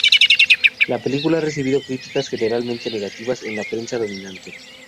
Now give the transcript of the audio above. La película ha recibido críticas generalmente negativas en la prensa dominante.